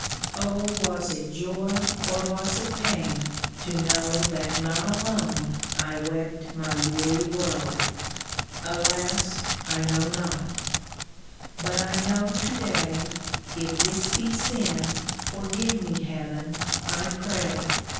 Oh ! was it joy or was it pain to know That not alone I wept my weary woe ? Alas ! 1 know not. But I know to day — If this be sin, forgive me, Heaven, I pray